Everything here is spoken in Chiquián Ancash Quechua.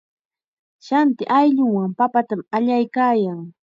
Shanti ayllunwan papatam allaykaayan.